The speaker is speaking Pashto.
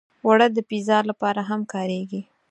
اوړه د پیزا لپاره هم کارېږي